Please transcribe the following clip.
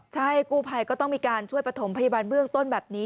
ใช่กู้ภัยก็ต้องมีการช่วยประถมพยาบาลเบื้องต้นแบบนี้